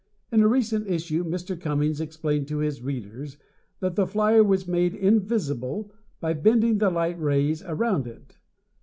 In a recent issue Mr. Cummings explained to his readers that the flyer was made invisible by bending the light rays around it.